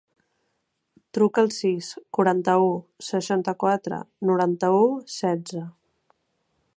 Truca al sis, quaranta-u, seixanta-quatre, noranta-u, setze.